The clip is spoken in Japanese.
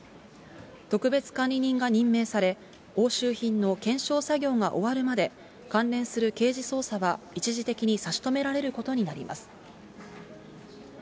特別管理人が任命され、押収品の検証作業が終わるまで、関連する刑事捜査は一時的に差し止められることになります。